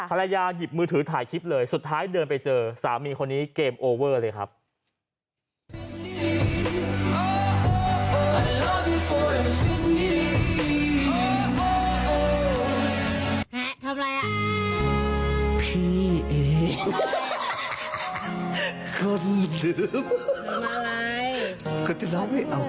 หยิบมือถือถ่ายคลิปเลยสุดท้ายเดินไปเจอสามีคนนี้เกมโอเวอร์เลยครับ